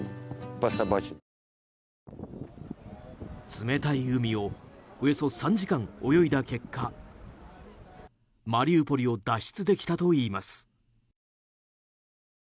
冷たい海をおよそ３時間泳いだ結果マリウポリを脱出できたといいます。